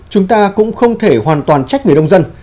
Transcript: chúng ta cũng không thể hoàn toàn trách người nông dân